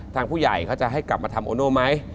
ทางผู้ใหญ่เขาจะให้กลับมาทำโอโน่ไหม